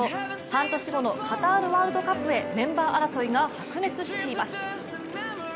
半年後のカタール・ワールドカップへメンバー争いが白熱しています。